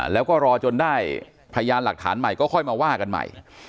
แล้วก็รอจนได้พยานหลักฐานใหม่ก็ค่อยมาว่ากันใหม่